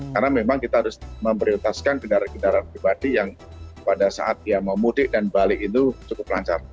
karena memang kita harus memprioritaskan kendaraan kendaraan pribadi yang pada saat dia mau mudik dan balik itu cukup lancar